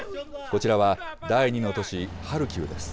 こちらは第２の都市ハルキウです。